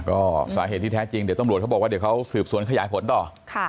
ก็สาเหตุที่แท้จริงเดี๋ยวตำรวจเขาบอกว่าเดี๋ยวเขาสืบสวนขยายผลต่อ